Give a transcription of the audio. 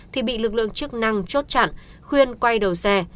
thì bị lực lượng chức năng chốt chặn khuyên quay đầu xe